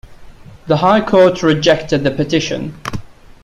The High Court rejected the petition.